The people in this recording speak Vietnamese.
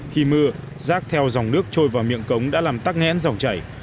khi mưa rác theo dòng nước trôi vào miệng cống đã làm tắc nghẽn dòng chảy